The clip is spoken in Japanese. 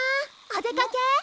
お出かけ？